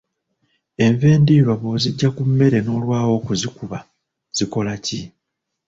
Enva endiirwa bw'oziggya ku mmere n'olwawo okuzikuba zikola ki?